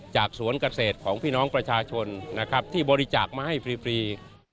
สวนเกษตรของพี่น้องประชาชนนะครับที่บริจาคมาให้ฟรี